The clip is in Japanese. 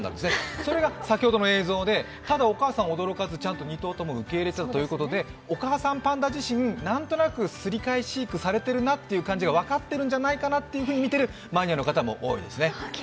それが先ほどの映像でただお母さんは驚かず２頭とも受け入れているということでお母さんパンダ自身、何となくすり替え飼育されてるんじゃないかと分かっているんじゃないかなと見ているマニアの方も多いですね。